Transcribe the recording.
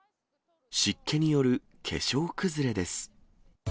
湿気による化粧崩れです。